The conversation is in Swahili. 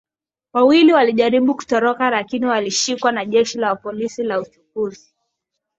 Wawili walijaribu kutoroka lakini walishikwa na jeshi la polisi la uchunguzi